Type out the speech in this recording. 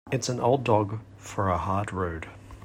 It's an old dog for a hard road.